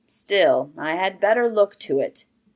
Still, I had better look to it.